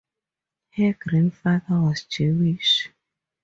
Her grandfather was Jewish.